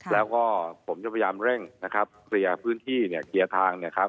แล้วก็ผมจะพยายามเร่งเคลียร์พื้นที่เคลียร์ทาง